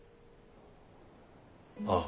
ああ。